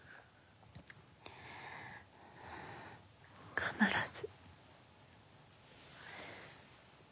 必ず。